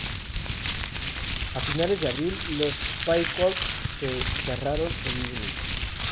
A finales de abril, los "Freikorps" se cerraron en Múnich.